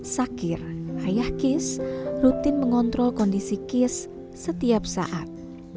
sakir ayah kis rutin mengontrol kondisi kis setiap saat